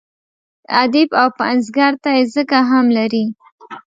ادیب او پنځګر ته یې ځکه هم لري.